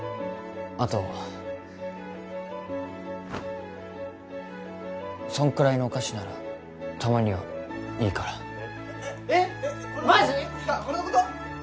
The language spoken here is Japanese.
あとそのくらいのお菓子ならたまにはいいから・えっマジ？